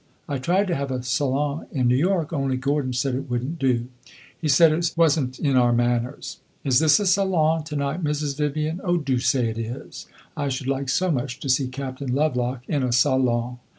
I tried to have a salon in New York, only Gordon said it would n't do. He said it was n't in our manners. Is this a salon to night, Mrs. Vivian? Oh, do say it is; I should like so much to see Captain Lovelock in a salon!